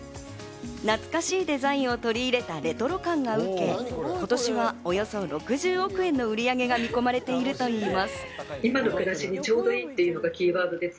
懐かしいデザインを取り入れたレトロ感が受け今年はおよそ６０億円の売り上げが見込まれているといいます。